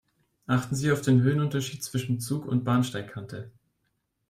Achten Sie auf den Höhenunterschied zwischen Zug und Bahnsteigkante.